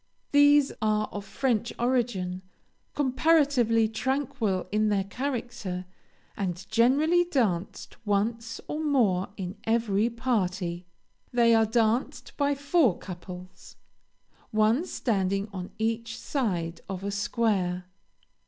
These are of French origin, comparatively tranquil in their character, and generally danced once or more in every party. They are danced by four couples, one standing on each side of a square.